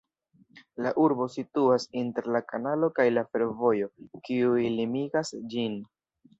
La urbo situas inter la kanalo kaj la fervojo, kiuj limigas ĝin.